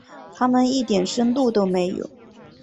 他们一点深度都没有。